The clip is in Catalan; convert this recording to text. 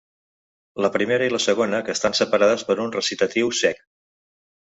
La primera i la segona que estan separades per un recitatiu sec.